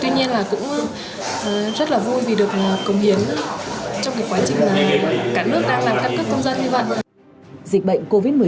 tuy nhiên là cũng rất là vui vì được công hiến trong cái quá trình cả nước đang làm căn cước công dân như vậy